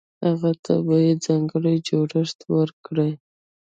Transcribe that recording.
هغه ته به يو ځانګړی جوړښت ورکړي.